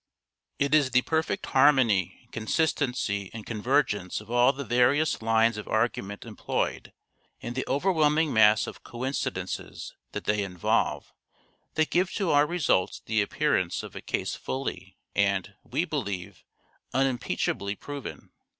It is the perfect harmony, consistency and convergence of all the various lines of argument employed, and the overwhelming mass of coincidences that they involve, that give to our results the appear ance of a case fully and, we believe, unimpeachably proven.